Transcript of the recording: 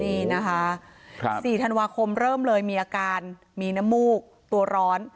นี่นะคะครับสี่ธนวาคมเริ่มเลยมีอาการมีนมูกตัวร้อน